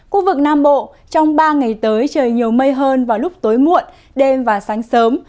khu vực nam bộ trong ba ngày tới trời nhiều mây hơn vào lúc tối muộn đêm và sáng sớm